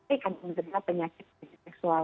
akan menyebabkan penyakit seksual